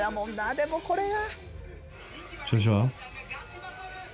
でもこれが。